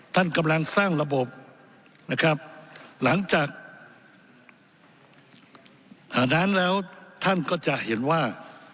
ท่านกำลังสร้างระบบนะครับหลังจากนั้นแล้วท่านก็จะเห็นว่า